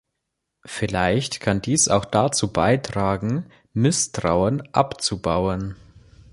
Vielleicht kann dies auch dazu beitragen, Misstrauen abzubauen.